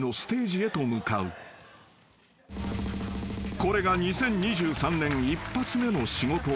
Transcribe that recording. ［これが２０２３年一発目の仕事］